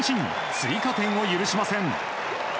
追加点を許しません。